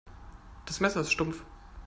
Das Messer ist stumpf.